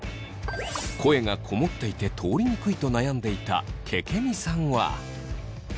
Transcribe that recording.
声がこもっていて通りにくいと悩んでいたけけみさんは。